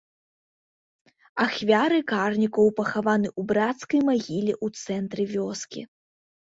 Ахвяры карнікаў пахаваны ў брацкай магіле ў цэнтры вёскі.